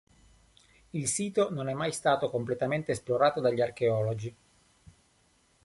Il sito non è mai stato completamente esplorato dagli archeologi.